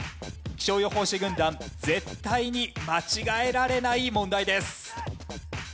気象予報士軍団絶対に間違えられない問題です。